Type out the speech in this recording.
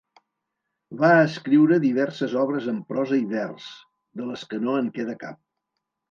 Va escriure diverses obres en prosa i vers, de les que no en queda cap.